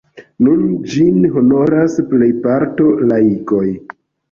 Nun ĝin honoras plejparto laikoj.